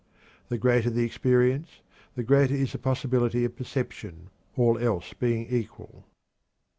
The greater the experience, the greater is the possibility of perception, all else being equal.